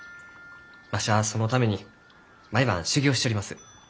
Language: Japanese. わしはそのために毎晩修業しちょります。